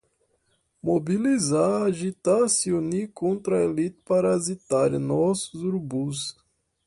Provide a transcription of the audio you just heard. Mobilizar, agitar, se unir, contra a elite parasitária, nossos urubus